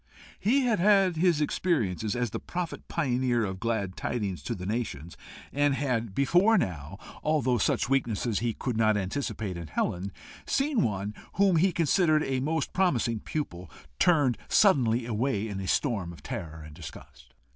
He had had his experiences as the prophet pioneer of glad tidings to the nations, and had before now, although such weakness he could not anticipate in Helen, seen one whom he considered a most promising pupil, turned suddenly away in a storm of terror and disgust.